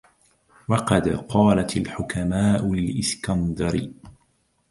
وَقَدْ قَالَتْ الْحُكَمَاءُ لِلْإِسْكَنْدَرِ